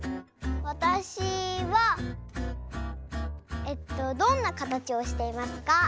わたしはえっとどんなかたちをしていますか？